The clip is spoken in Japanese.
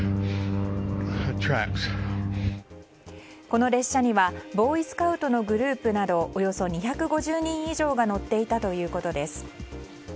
この列車にはボーイスカウトのグループなどおよそ２５０人以上が乗っていたということです。